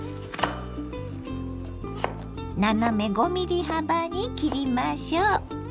斜め５ｍｍ幅に切りましょう。